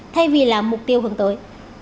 thay vì là mục tiêu hướng tới